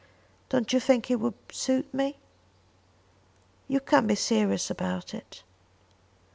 Don't you think it would suit me?" "You can't be serious about it."